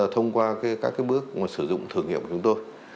thông qua các bước sử dụng thử nghiệm của chúng tôi